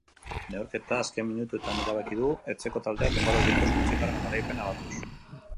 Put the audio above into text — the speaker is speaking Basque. Neurketa azken minutuetan erabaki du etxeko taldeak denboraldiko zortzigarren garaipena batuz.